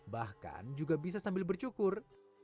bahkan juga bisa sambil bercukur